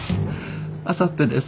あさってです。